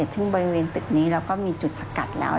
ซึ่งบริเวณตึกนี้เราก็มีจุดสกัดแล้ว